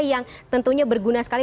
yang tentunya berguna sekali